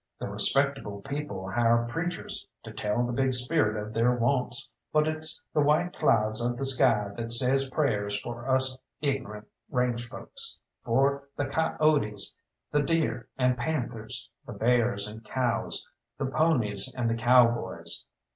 The respectable people hire preachers to tell the Big Spirit of their wants, but it's the white clouds of the sky that says prayers for us ignorant range folks, for the coyotes, the deer and panthers, the bears and cows, the ponies and the cowboys.